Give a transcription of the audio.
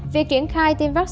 vì chuyển khai tiêm vaccine